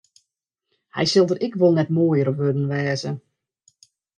Hy sil der ek wol net moaier op wurden wêze.